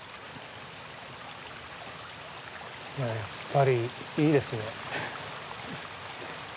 やっぱりいいですね。